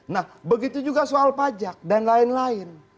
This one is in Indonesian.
nah begitu juga soal pajak dan lain lain